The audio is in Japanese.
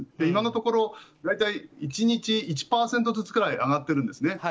今のところ、１日１％ぐらい上がっているんですね。